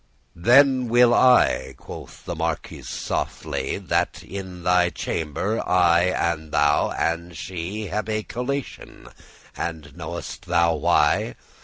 "Then will I," quoth the marquis softely, "That in thy chamber I, and thou, and she, Have a collation;* and know'st thou why?